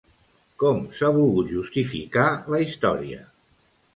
Com s'ha volgut justificar la història?